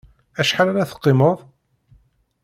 Acḥal ara t-qimeḍ?